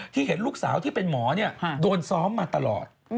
เห็นลูกสาวที่เป็นหมอโดนซ้อมมาตลอด